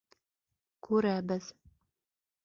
— Күрәбеҙ.